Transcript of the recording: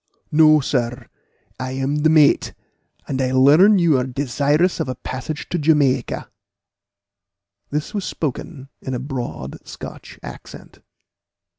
"No, sir, I am the mate, and I learn you are desirous of a passage to Jamaica." This was spoken with a broad Scotch accent.